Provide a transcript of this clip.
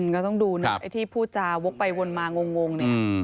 ก็ต้องดูนะไอ้ที่พูดจาวกไปวนมางงเนี่ย